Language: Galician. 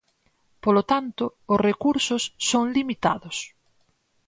Polo tanto, os recursos son limitados.